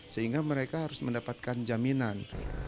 sehingga mereka harus mendapatkan jaminan